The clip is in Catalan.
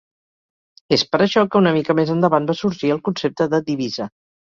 És per això que una mica més endavant va sorgir el concepte de divisa.